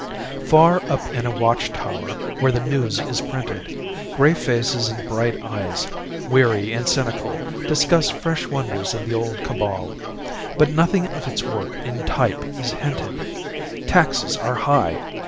Far up in a watch tower, where the news is printed, Gray faces and bright eyes, weary and cynical Discuss fresh wonders of the old cabal. But nothing of its work in type is hinted: Taxes are high!